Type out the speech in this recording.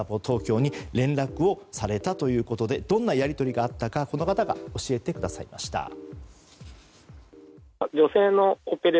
東京に連絡をされたということでどんなやり取りがあったか教えてくださいました。